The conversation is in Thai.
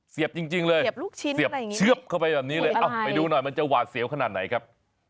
เสียบจริงเลยเสียบเชือบเข้าไปแบบนี้เลยอ้าวไปดูหน่อยมันจะหวาดเสียวขนาดไหนครับ